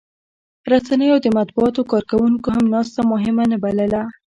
رسنیو او د مطبوعاتو کارکوونکو هم ناسته مهمه نه بلله